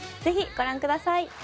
ぜひご覧ください。